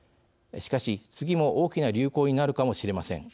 しかし、次も大きな流行になるかもしれません。